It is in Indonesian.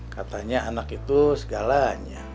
katanya anak itu segalanya